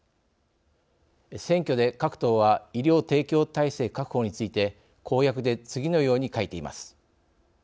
選挙で各党は医療提供体制確保について公約で次のように書いています。